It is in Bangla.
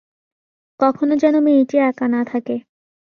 কখনো যেন মেয়েটি একা না থাকে।